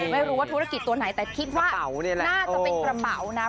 ไม่รู้ว่าธุรกิจตัวไหนแต่คิดว่าน่าจะเป็นกระเป๋านะ